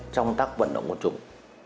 trong tác vận động của chúng